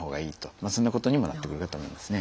そんなことにもなってくるかと思いますね。